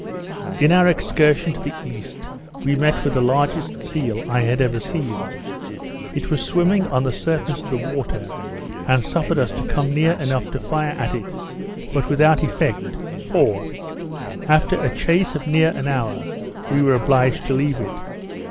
In our excursion to the east, we met with the largest seal I had ever seen. It was swimming on the surface of the water, and suffered us to come near enough to fire at it; but without effect; for, after a chase of near an hour, we were obliged to leave it.